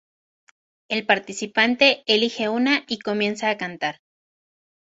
El participante elige una y comienza a cantar.